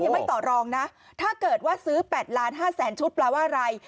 ไม่ต่อรองนะถ้าเกิดว่าซื้อ๘ล้าน๕แสนชุดแปลว่าอะไร